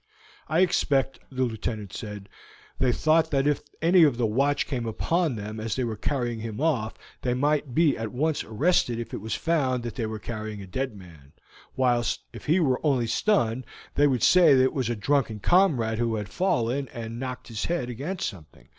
"I expect," the Lieutenant said, "they thought that if any of the watch came upon them as they were carrying him off, they might be at once arrested if it was found that they were carrying a dead man, whilst if he were only stunned they would say that it was a drunken comrade who had fallen and knocked his head against something.